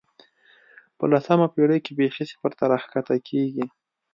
په لسمه پېړۍ کې بېخي صفر ته راښکته کېږي.